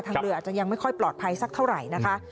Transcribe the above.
เรืออาจจะยังไม่ค่อยปลอดภัยสักเท่าไหร่นะคะ